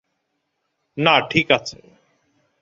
না ঠিক আছে।